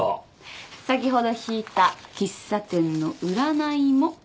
先ほど引いた喫茶店の占いも。